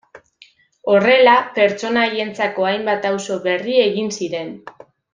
Horrela, pertsona haientzako hainbat auzo berri egin ziren.